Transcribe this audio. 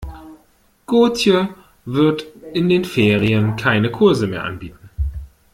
Gotje wird in den Ferien keine Kurse mehr anbieten.